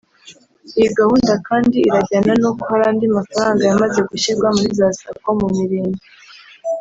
Iyi gahunda kandi irajyana n’uko hari andi mafaranga yamaze gushyirwa muri za Sacco mu mirenge